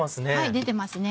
出てますね。